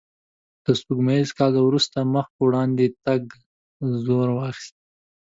له سپوږمیز کال وروسته مخ په وړاندې تګ زور واخیست.